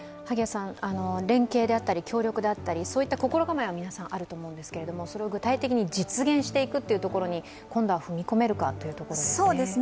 連携であったり協力であったり、そういう心構えは皆さんあると思うんですけどそれを具体的に実現していくというところに今度は踏み込めるかですね。